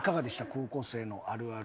高校生のあるある。